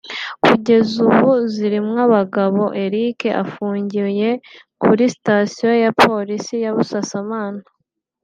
Kugeza ubu Zirimwabagabo Eric afungiye kuri sitasiyo ya Polisi ya Busasamana